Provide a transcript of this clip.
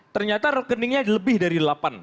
ternyata rekeningnya lebih dari delapan